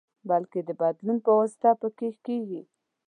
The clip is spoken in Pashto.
بلکې د بدلون پواسطه ښه کېږي.